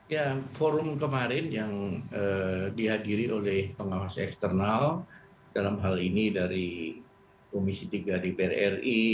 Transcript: ya forum kemarin yang dihadiri oleh pengawas eksternal dalam hal ini dari komisi tiga dpr ri